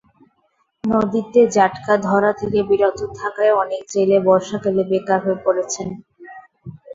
নদীতে জাটকা ধরা থেকে বিরত থাকায় অনেক জেলে বর্ষাকালে বেকার হয়ে পড়েছেন।